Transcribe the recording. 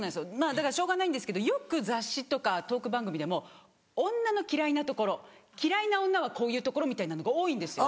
だからしょうがないんですけどよく雑誌とかトーク番組でも「女の嫌いなところ」「嫌いな女はこういうところ」みたいなのが多いんですよ。